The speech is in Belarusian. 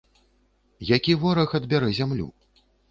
Які вораг адбярэ зямлю?